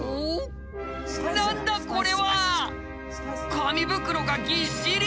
紙袋がぎっしり。